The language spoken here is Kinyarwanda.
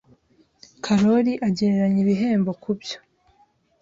Karoli agereranya ibihembo kubyo.